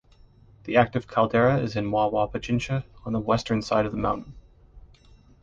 The active caldera is in Wawa Pichincha on the western side of the mountain.